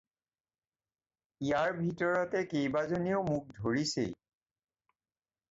ইয়াৰ ভিতৰতে কেইবাজনেও মোক ধৰিছেই।